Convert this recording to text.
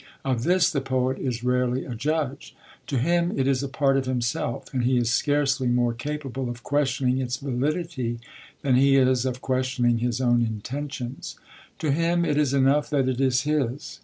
Of this the poet is rarely a judge. To him it is a part of himself, and he is scarcely more capable of questioning its validity than he is of questioning his own intentions. To him it is enough that it is his.